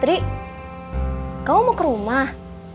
putri kamu mau ke rumah